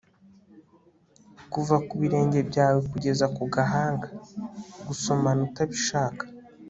kuva ku birenge byawe kugeza ku gahanga, gusomana utabishaka